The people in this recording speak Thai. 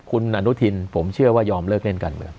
คุณอนุทินผมเชื่อว่ายอมเลิกเล่นการเมือง